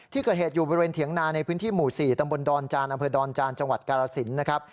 ที่เกิดเหตุอยู่บริเวณเถียงนาในพื้นที่หมู่๔ตำบลดอนจานอำเภอดอนจานจังหวัดกาลสินนะครับ